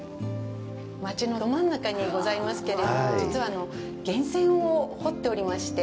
町のど真ん中にございますけれども実は源泉を掘っておりまして。